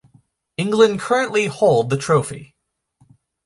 England currently hold the trophy.